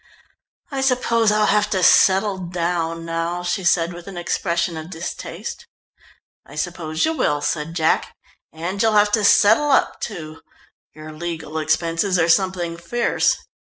"I suppose I'll have to settle down now," she said with an expression of distaste. "I suppose you will," said Jack, "and you'll have to settle up, too; your legal expenses are something fierce."